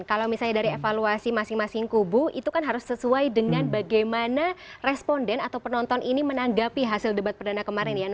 kalau misalnya dari evaluasi masing masing kubu itu kan harus sesuai dengan bagaimana responden atau penonton ini menanggapi hasil debat perdana kemarin ya